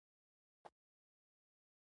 دوی نوي اهداف لري.